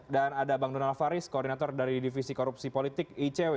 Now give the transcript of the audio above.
dan ada bang donal faris koordinator dari divisi korupsi politik icw